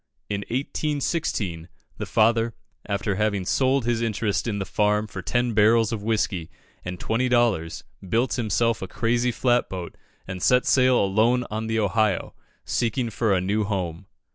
In 1816, the father, after having sold his interest in the farm for ten barrels of whiskey and twenty dollars, built himself a crazy flat boat, and set sail alone on the Ohio, seeking for a new home.